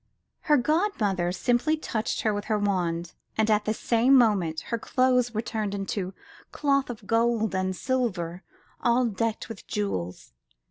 '' Her godmother simply touched her with her wand, and, at that same moment, her clothes were turned into cloth of gold and silver, all decked with jewels.